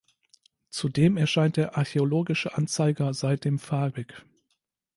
Zudem erscheint der Archäologische Anzeiger seitdem farbig.